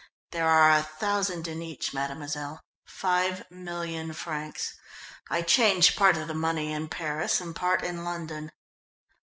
"There are a thousand in each, mademoiselle. Five million francs. I changed part of the money in Paris, and part in London."